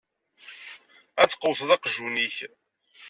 Ad tqewwteḍ aqjun-ik.